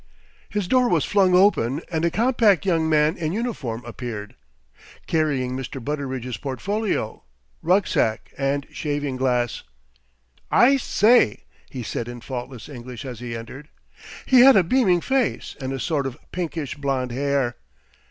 3 His door was flung open, and a compact young man in uniform appeared, carrying Mr. Butteridge's portfolio, rucksac, and shaving glass. "I say!" he said in faultless English as he entered. He had a beaming face, and a sort of pinkish blond hair.